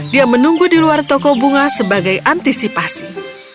dia menunggu di luar toko bunga sebagai antisipasi